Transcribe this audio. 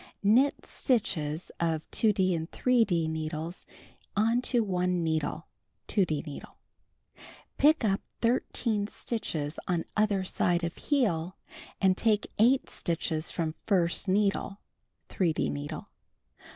Knit stitches of 2d and 3d needles onto one needle. (2d needle.) Pick up 13 stitches on other side of heel, and take 8 stitches from first needle. (3d needle.)